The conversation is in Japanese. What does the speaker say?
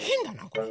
これ。